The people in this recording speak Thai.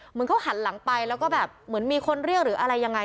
เหมือนเขาหันหลังไปแล้วก็แบบเหมือนมีคนเรียกหรืออะไรยังไง